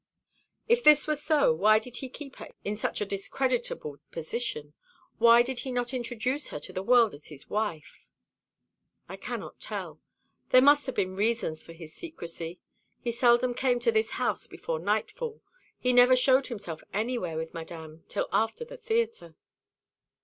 "If this were so, why did he keep her in such a discreditable position? Why did he not introduce her to the world as his wife?" "I cannot tell. There must have been reasons for his secrecy. He seldom came to this house before nightfall. He never showed himself anywhere with Madame till after the theatre."